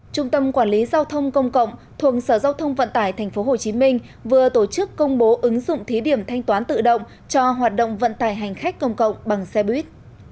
trung tâm quản lý giao thông công cộng thuộc sở giao thông vận tải tp hcm vừa tổ chức công bố ứng dụng thí điểm thanh toán tự động cho hoạt động vận tải hành khách công cộng bằng xe buýt